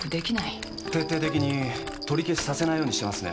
徹底的に取り消しさせないようにしてますね。